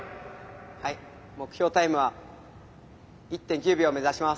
はい目標タイムは１．９秒を目指します。